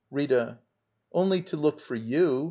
Rita. Only to look for you.